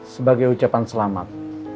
sebagai ucapan selamat